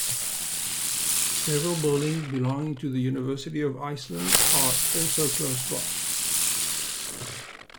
Several buildings belonging to the University of Iceland are also close by.